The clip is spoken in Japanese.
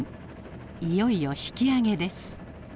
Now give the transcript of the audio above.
いよいよ引き揚げです。